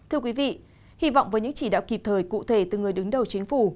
thưa quý vị hy vọng với những chỉ đạo kịp thời cụ thể từ người đứng đầu chính phủ